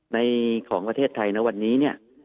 ในของประเทศไทยนะวันนี้เนี่ย